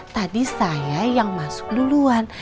tadi saya yang masuk duluan